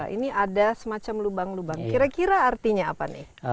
ini ada semacam lubang lubang kira kira artinya apa nih